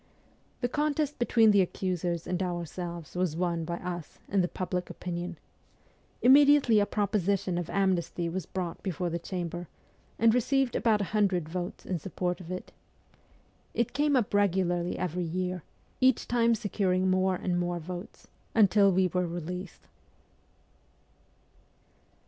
The contest between the accusers and ourselves was won by us, in the public opinion. Immediately a proposition of amnesty was brought before the Chamber, and received about a hundred votes in support of it. It came up regularly every year, each time securing more and more votes, until we were released.